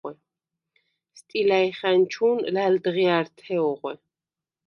სტილა̈ჲხა̈ნჩუ̄ნ ლა̈ლდღია̈რთე ოღვე.